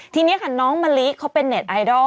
ทีนี้ค่ะน้องมะลิเขาเป็นเน็ตไอดอล